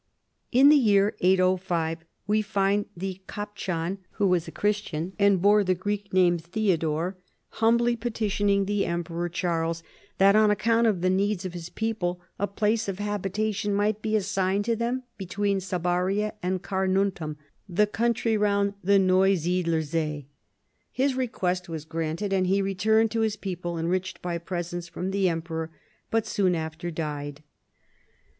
In the year 805 we find the cajpchan, who was a Christian, and bore the Greek name Theodore, humbly petitioning the Emperor WARS WITH AVARS AND SCLAVES. 217 Charles that on account of the needs of his people a place of habitation might be assigned to them be tween Sabaria and Carnuntum (the country round the Neusiedler See). His request was granted, and he returned to his people enriched by presents from the emperor, but soon after died.